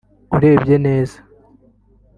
urebye neza